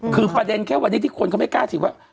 คือประเด็นแค่วันนี้ที่คนเขาไม่กล้าฉีดว่า